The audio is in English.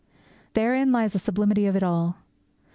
Therein lay the sublimity of it all.